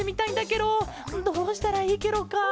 ケロどうしたらいいケロか？